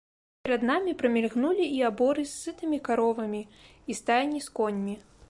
Перад намі прамільгнулі і аборы з сытымі каровамі, і стайні з коньмі.